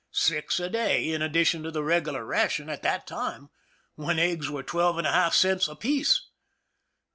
Six a day, in addition to the regular ration, at a time when eggs were twelve and a half cents apiece!